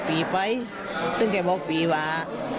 พี่ไปต้ืงแกบอกพี่ว่า